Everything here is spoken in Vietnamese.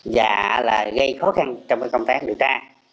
và gây khó khăn trong công tác điều tra